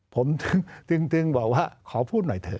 ผมถึงบอกว่าขอพูดหน่อยเถอ